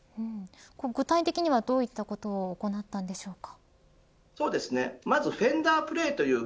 具体的にはどういったことを行ったんでしょうか。